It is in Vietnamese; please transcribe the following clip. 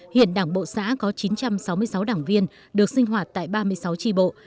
hiện đảng bộ xã có chín trăm sáu mươi sáu đảng viên được sinh hoạt tại ba mươi sáu tri bộ